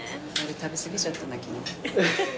食べ過ぎちゃったな昨日。